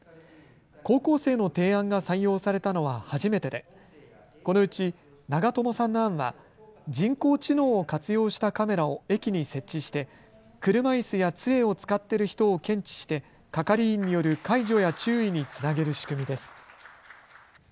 高校生の提案が採用されたのは初めてでこのうち長友さんの案は、人工知能を活用したカメラを駅に設置して車いすやつえを使っている人を検知して係員による介助や注意につなげる仕組みです。